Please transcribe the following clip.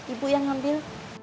ibu yang ambil